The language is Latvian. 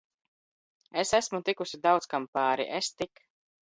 Es esmu tikusi daudz kam p?ri... Es tik